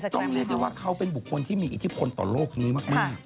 เรียกได้ว่าเขาเป็นบุคคลที่มีอิทธิพลต่อโลกนี้มาก